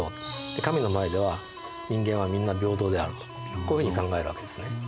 神の前では人間はみんな平等であるとこういうふうに考えるわけですね。